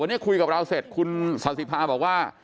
วันนี้คุยกับเราเสร็จคุณศาสิภาบอกว่า